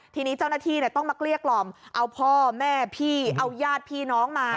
ทีนี้เจ้าหน้าที่ต้องมาเกลี้ยกล่อมเอาพ่อแม่พี่เอาญาติพี่น้องมา